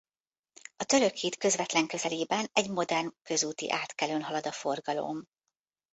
A török híd közvetlen közelében egy modern közúti átkelőn halad a forgalom.